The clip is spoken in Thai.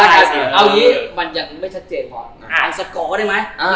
เอาอย่างนี้มันอย่างไม่ชัดเจนค่ะ